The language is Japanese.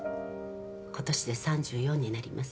今年で３４になります。